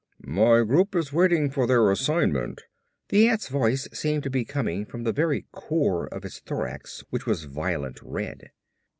"My group is waiting for their assignment." The ant's voice seemed to be coming from the very core of its thorax which was a violent red.